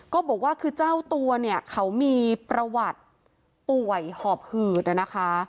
ก็บอกว่าคือเจ้าตัวเนี่ยเขามีประวัติป่วยหอบหืดนะคะ